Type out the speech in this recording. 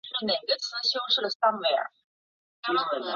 科隆号配备有八门单座安装的。